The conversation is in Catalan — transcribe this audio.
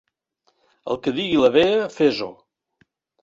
El que digui la vella, fes-ho.